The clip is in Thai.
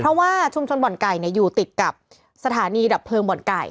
เพราะว่าชุมชนบ่อนไก่อยู่ติดกับสถานีดับเพลิงบ่อนไก่